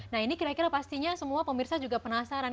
nah ini kira kira pastinya semua pemirsa juga penasaran